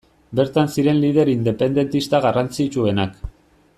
Bertan ziren lider independentista garrantzitsuenak.